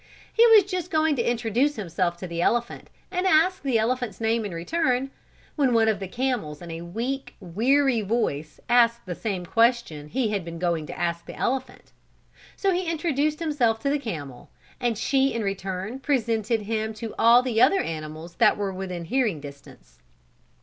He was just going to introduce himself to the elephant and ask the elephant's name in return, when one of the camels in a weak, weary voice asked the same question he had been going to ask the elephant; so he introduced himself to the camel and she in return presented him to all the other animals that were within hearing distance.